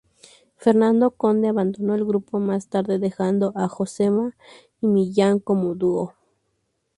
Fernando Conde abandonó el grupo más tarde, dejando a Josema y Millán como dúo.